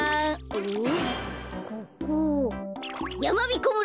おっ？